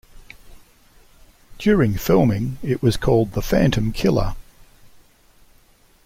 During filming it was called "The Phantom Killer".